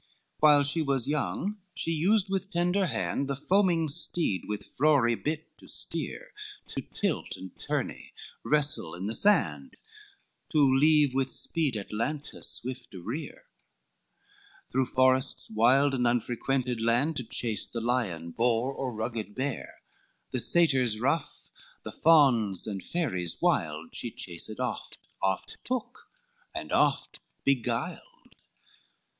XL While she was young, she used with tender hand The foaming steed with froary bit to steer, To tilt and tourney, wrestle in the sand, To leave with speed Atlanta swift arear, Through forests wild, and unfrequented land To chase the lion, boar, or rugged bear, The satyrs rough, the fauns and fairies wild, She chased oft, oft took, and oft beguiled.